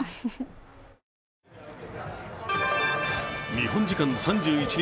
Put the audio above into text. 日本時間３１日